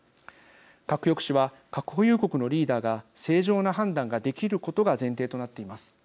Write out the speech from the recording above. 核抑止は核保有国のリーダーが正常な判断ができることが前提となっています。